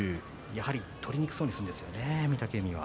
やはり取りにくそうにするんですよね御嶽海は。